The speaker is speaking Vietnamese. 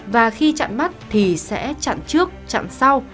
và khi chặn mắt thì sẽ chặn trước chặn sau